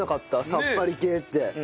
さっぱり系って。